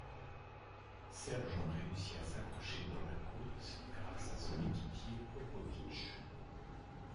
Sergent réussit à s'accrocher dans la côte grâce à son équipier Popovych.